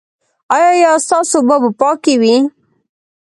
ایا ستاسو اوبه به پاکې وي؟